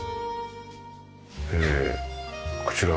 ええこちら。